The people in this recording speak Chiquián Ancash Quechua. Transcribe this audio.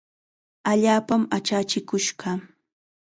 Allaapam achachikush kaa.